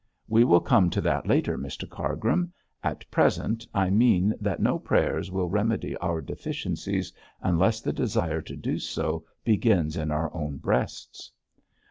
'We will come to that later, Mr Cargrim. At present I mean that no prayers will remedy our deficiencies unless the desire to do so begins in our own breasts.'